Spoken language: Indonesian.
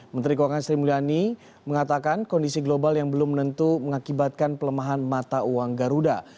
menteri keuangan sri mulyani mengatakan kondisi global yang belum menentu mengakibatkan pelemahan mata uang garuda